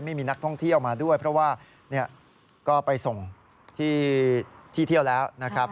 ไม่มีนักท่องเที่ยวมาด้วยเพราะว่าก็ไปส่งที่เที่ยวแล้วนะครับ